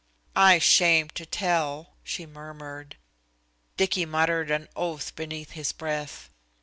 "I 'shamed to tell," she murmured. Dicky muttered an oath beneath his breath.